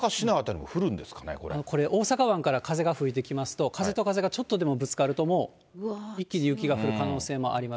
もうこれ、大阪湾から風が吹いてきますと、風と風がちょっとでもぶつかるともう、一気に雪が降る可能性もあります。